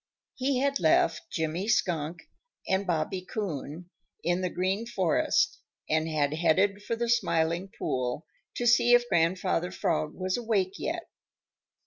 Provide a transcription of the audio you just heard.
He had left Jimmy Skunk and Bobby Coon in the Green Forest and had headed for the Smiling Pool to see if Grandfather Frog was awake yet.